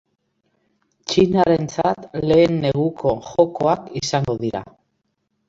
Txinarentzat lehen neguko jokoak izango dira.